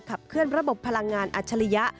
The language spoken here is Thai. ขับเคลื่อนระบบพลังงานอัจฉริยะ